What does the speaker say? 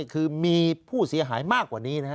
คือมีผู้เสียหายมากกว่านี้นะฮะ